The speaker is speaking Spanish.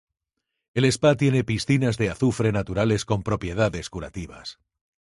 El spa tiene piscinas de azufre naturales con propiedades curativas.